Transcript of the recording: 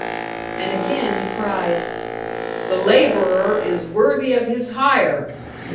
And again he cries, "The laborer is worthy of his hire!"